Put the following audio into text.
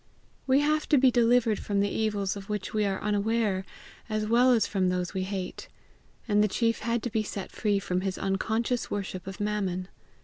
We have to be delivered from the evils of which we are unaware as well as from those we hate; and the chief had to be set free from his unconscious worship of Mammon.